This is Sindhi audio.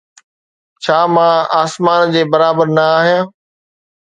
ڇا مان آسمان جي برابر نه آهيان؟